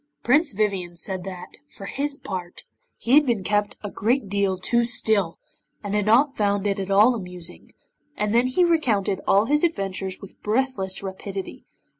Prince Vivien said that, for his part, he had been kept a great deal too still, and had not found it at all amusing, and then he recounted all his adventures with breathless rapidity.